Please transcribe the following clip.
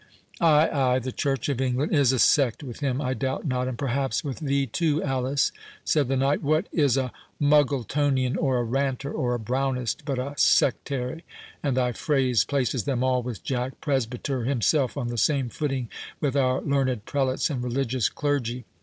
"Ay, ay, the Church of England is a sect with him, I doubt not, and perhaps with thee too, Alice," said the knight. "What is a Muggletonian, or a Ranter, or a Brownist, but a sectary? and thy phrase places them all, with Jack Presbyter himself, on the same footing with our learned prelates and religious clergy!